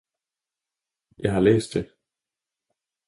Jeg har læst det!